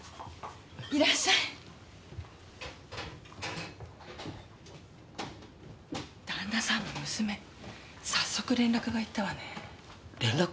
いらっしゃい旦那さんの娘早速連絡が行ったわね連絡？